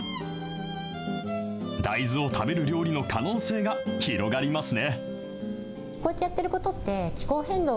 大豆を食べる料理の可能性が広がりますね。